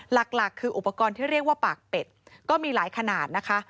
หลักคืออุปกรณ์ที่เรียกว่าปากเป็ดก็มีหลายขนาดนะคะ